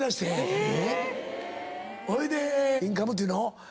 ほいでインカムっていうの？